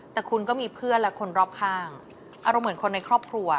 แต่คุณก็มีเพื่อนและคนรอบข้างอารมณ์เหมือนคนในครอบครัว